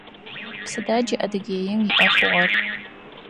Сыда джы Адыгеим иӏэ хъугъэр?